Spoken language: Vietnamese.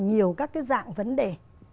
nhiều các cái dạng vấn đề